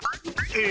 え？